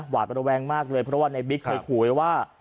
หวาดระแวงมากเลยเพราะว่าในบิ๊กเคยขู่ไว้ว่า